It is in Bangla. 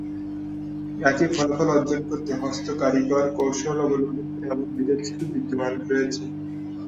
একই ফলাফল অর্জন করতে হস্ত কারিগরি কৌশল অবলম্বন করে এমন বৃহৎ শিল্প বিদ্যমান রয়েছে।